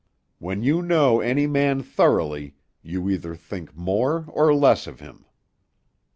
When you know any man thoroughly, you either think more or less of him."